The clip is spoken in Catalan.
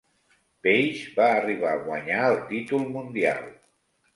Page va arribar a guanyar el títol mundial.